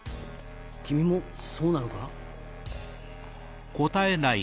君もそうなのか？